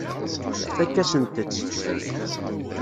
Tfakk-asent-tt.